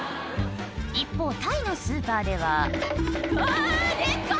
一方タイのスーパーではうわデッカ！